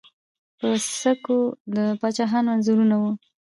په سکو د پاچاهانو انځورونه وو